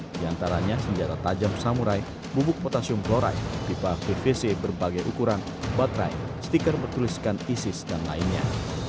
di antaranya senjata tajam samurai bubuk potasium florai pipa pvc berbagai ukuran baterai stiker bertuliskan isis dan lainnya